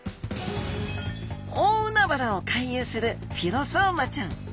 大海原を回遊するフィロソーマちゃん。